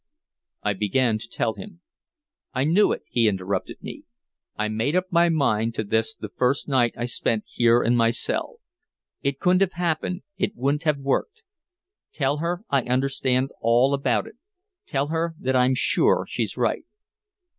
I began to tell him. "I knew it," he interrupted me. "I made up my mind to this the first night I spent here in my cell. It couldn't have happened, it wouldn't have worked. Tell her I understand all about it, tell her that I'm sure she's right.